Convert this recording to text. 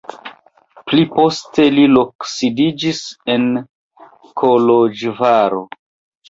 Pli poste li loksidiĝis en Koloĵvaro.